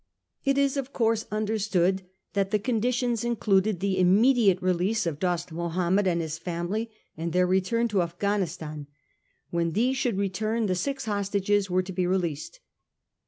It is of course understood that the conditions included the immediate release of Dost Mahomed and his family and their return to Afghan istan. When these should return, the six hostages were to be released.